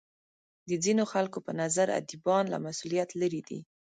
د ځینو خلکو په نظر ادیبان له مسولیت لرې دي.